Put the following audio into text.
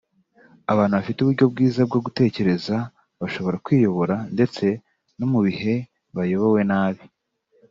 “Abantu bafite uburyo bwiza bwo gutekereza bashobora kwiyobora ndetse no mu bihe bayobowe nabi”